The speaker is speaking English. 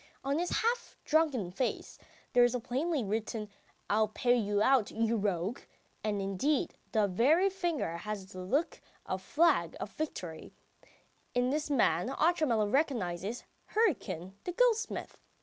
On his half drunken face there is plainly written: "I'll pay you out, you rogue!" and indeed the very finger has the look of a flag of victory. In this man Otchumyelov recognises Hryukin, the goldsmith.